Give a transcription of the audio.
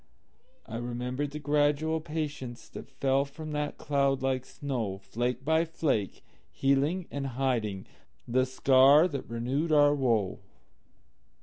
I remembered the gradual patienceThat fell from that cloud like snow, Flake by flake, healing and hidingThe scar that renewed our woe.